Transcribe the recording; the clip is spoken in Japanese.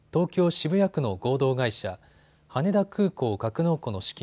渋谷区の合同会社、羽田空港格納庫の資金